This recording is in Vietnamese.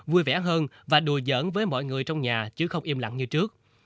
vui vẻ hơn và đùa giởn với mọi người trong nhà chứ không im lặng như trước